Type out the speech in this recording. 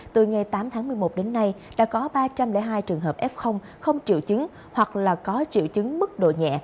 từ ngày tám tháng một mươi một đến nay đã có ba trăm linh hai trường hợp f không triệu chứng hoặc là có triệu chứng mức độ nhẹ